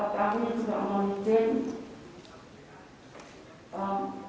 kami juga meminjam